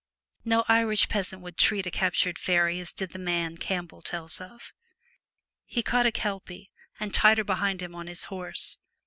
No Irish peasant would treat a captured faery as did the man Campbell tells of. He caught a kelpie, and tied her behind him on his 176 horse.